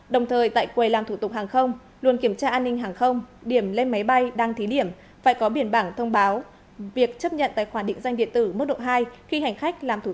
đồng thời tại quầy làm thủ tục hàng không luân kiểm tra an ninh hàng không điểm lên máy bay đang thí điểm